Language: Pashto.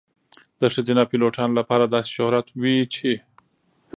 د ښځینه پیلوټانو لپاره داسې شهرت وي چې .